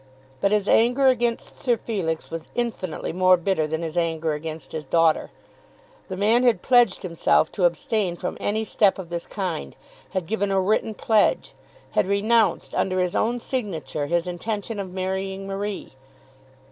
But his anger against Sir Felix was infinitely more bitter than his anger against his daughter. The man had pledged himself to abstain from any step of this kind, had given a written pledge, had renounced under his own signature his intention of marrying Marie!